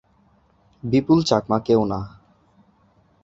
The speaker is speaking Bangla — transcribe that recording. বিপুল চাকমা কেউ না।